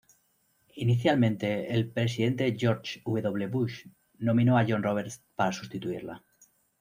Inicialmente, el Presidente George W. Bush nominó a John Roberts para sustituirla.